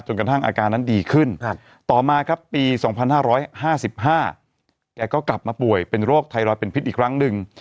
กระทั่งอาการนั้นดีขึ้นต่อมาครับปี๒๕๕๕แกก็กลับมาป่วยเป็นโรคไทรอยด์เป็นพิษอีกครั้งหนึ่ง